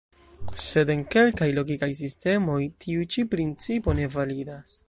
Sed en kelkaj logikaj sistemoj tiu ĉi principo ne validas.